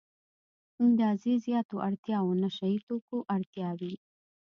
اندازې زياتو اړتیاوو نشه يي توکو اړتیا وي.